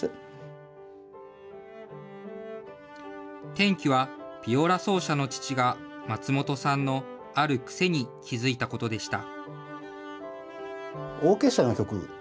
転機は、ビオラ奏者の父が松本さんのある癖に気付いたことでした。